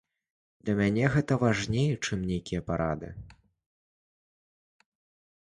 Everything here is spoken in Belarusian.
Для мяне гэта важней, чым нейкія парады.